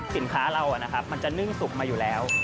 สินค้าเรามันจะนึ่งสุกมาอยู่แล้ว